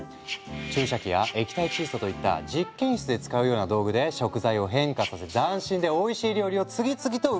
注射器や液体窒素といった実験室で使うような道具で食材を変化させ斬新でおいしい料理を次々と生み出したんだ。